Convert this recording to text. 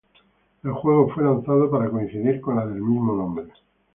El juego fue lanzado para coincidir con la del mismo nombre.